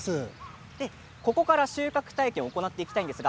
ここから収穫体験を行っていきます。